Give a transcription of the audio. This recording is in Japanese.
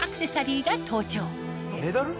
メダル？